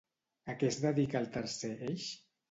A què es dedica el tercer eix?